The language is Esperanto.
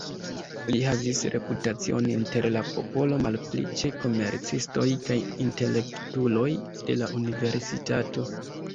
Li havis reputacion inter la popolo, malpli ĉe komercistoj kaj intelektuloj de la universitato.